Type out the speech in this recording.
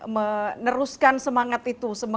meneruskan semangat itu